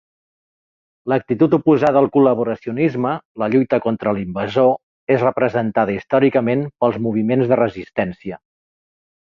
L'actitud oposada al col·laboracionisme —la lluita contra l'invasor— és representada històricament pels moviments de resistència.